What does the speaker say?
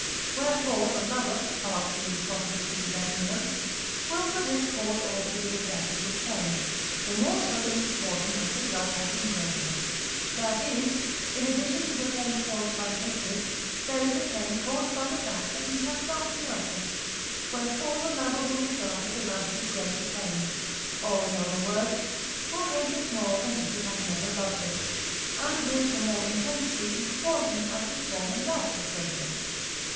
wherefore the lover (III. xi. note) will for this cause also be affected with pain, the more so in proportion as his love has been greater; that is, in addition to the pain caused by hatred, there is a pain caused by the fact that he has loved the object; wherefore the lover will regard the beloved with greater pain, or in other words, will hate it more than if he had never loved it, and with the more intensity in proportion as his former love was greater.